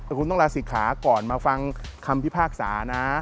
คุณต้องลาศิกขาก่อนมาฟังคำพิพากษานะ